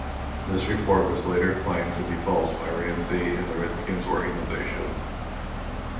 This report was later claimed to be false by Ramsey and the Redskins organization.